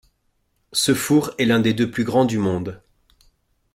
Ce four est l'un des deux plus grands du monde.